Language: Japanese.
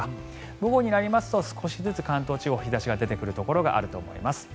午後になりますと少しずつ関東地方日差しが出てくるところがあると思います。